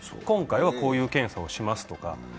今回はこういう検査をしますとか。